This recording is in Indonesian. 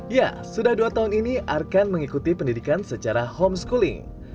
ya sudah dua tahun ini arkan mengikuti pendidikan secara homeschooling